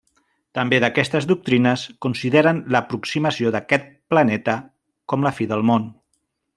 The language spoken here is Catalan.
També aquestes doctrines consideren l'aproximació d'aquest planeta com la Fi del món.